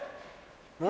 何？